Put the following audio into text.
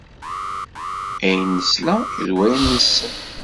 Ayen nesla d wayen nessen.